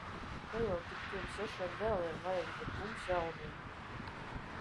Tev jau tik tiem sešiem dēliem vajag! Bet mums jauniem.